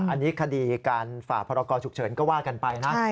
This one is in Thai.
อันนี้คดีการฝ่าพรกรฉุกเฉินก็ว่ากันไปนะ